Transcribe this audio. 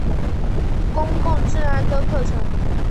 公共治安的课程。